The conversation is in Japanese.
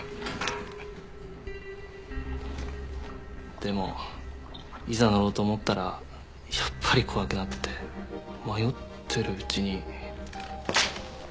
でもいざ乗ろうと思ったらやっぱり怖くなって迷ってるうちに。